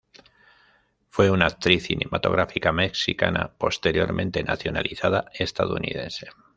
Fue una actriz cinematográfica mexicana, posteriormente nacionalizada estadounidense.